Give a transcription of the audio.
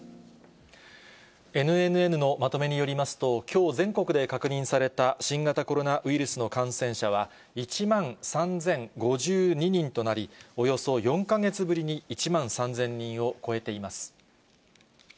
ＮＮＮのまとめによりますと、きょう、全国で確認された新型コロナウイルスの感染者は、１万３０５２人となり、およそ４か月ぶりに１万３０００人を超えています。